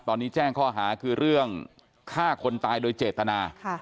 ตอนนี้แจ้งข้อหาคือเรื่องฆ่าคนตายโดยเจตนา